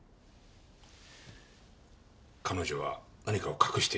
彼女は何かを隠している。